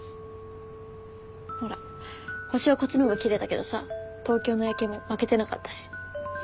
ほら星はこっちの方が奇麗だけどさ東京の夜景も負けてなかったし。